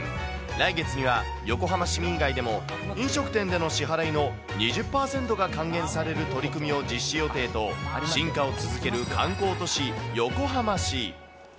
来月には横浜市民以外でも、飲食店での支払いの２０％が還元される取り組みを実施予定と、進化を続ける観光都市、横浜市。